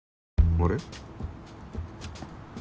あれ？